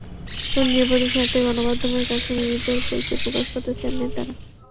তবে নিরাপত্তার স্বার্থে গণমাধ্যমের কাছে নিজেদের পরিচয় প্রকাশ করতে চাননি তাঁরা।